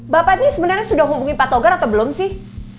bapak ini sebenarnya sudah hubungi fatogar atau belum sih